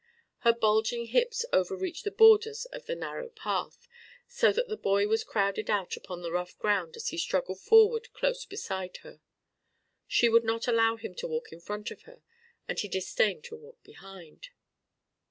Her bulging hips overreached the borders of the narrow path, so that the boy was crowded out upon the rough ground as he struggled forward close beside her. She would not allow him to walk in front of her and he disdained to walk behind.